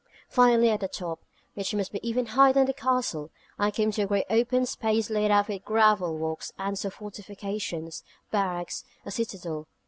Finally, at the top, which must be even higher than the Castle, I came to a great open space laid out with gravel walks, and saw fortifications, barracks, a citadel.